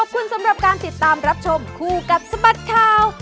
ขอบคุณสำหรับการติดตามรับชมคู่กับสบัดข่าว